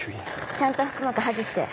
ちゃんと腹膜把持して。